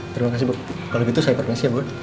terima kasih bu kalau gitu saya perkenasi ya bu